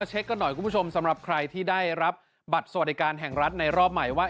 เช็คกันหน่อยคุณผู้ชมสำหรับใครที่ได้รับบัตรสวัสดิการแห่งรัฐในรอบใหม่ว่า